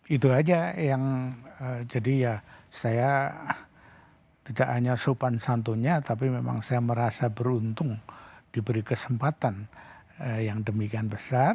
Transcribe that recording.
itu aja yang jadi ya saya tidak hanya sopan santunnya tapi memang saya merasa beruntung diberi kesempatan yang demikian besar